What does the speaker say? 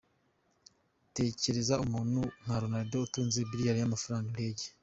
Tekereza umuntu nka Ronaldo utunze Billions z’amafaranga, indege,.